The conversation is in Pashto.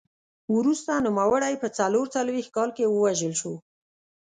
وروسته نوموړی په څلور څلوېښت کال کې ووژل شو